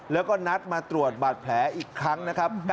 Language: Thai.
แล้วก็นัดมาตรวจบาดแผลอีกครั้งนะครับ